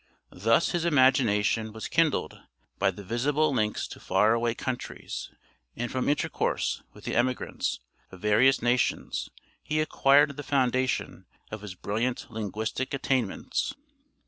Thus his imagination was kindled by the visible links to far away countries, and from intercourse with the emigrants of various nations he acquired the foundation of his brilliant linguistic attainments.